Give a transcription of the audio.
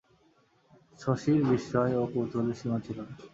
শশীর বিস্ময় ও কৌতূহলের সীমা ছিল না।